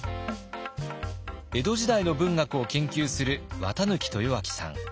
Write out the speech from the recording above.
江戸時代の文学を研究する綿抜豊昭さん。